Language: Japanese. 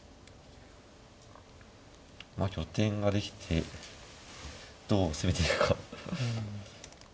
拠点ができてどう攻めていくか。